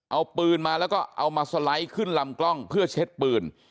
เอาปืนมาแล้วก็เอามาสไลด์ขึ้นลำกล้องเพื่อเช็ดปืน